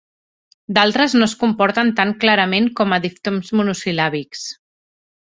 D'altres no es comporten tan clarament com a diftongs monosil·làbics.